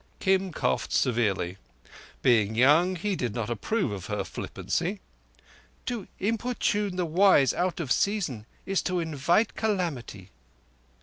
Kim coughed severely. Being young, he did not approve of her flippancy. "To importune the wise out of season is to invite calamity."